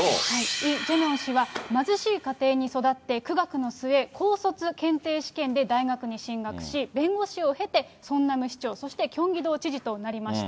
イ・ジェミョンさん、貧しい家庭に育って、苦学の末、高卒検定試験で大学に進学し、弁護士を経て、ソンナム市長、そしてキョンギ道知事となりました。